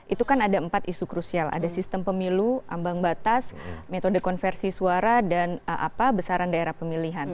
itu kan ada empat isu krusial ada sistem pemilu ambang batas metode konversi suara dan apa besaran daerah pemilihan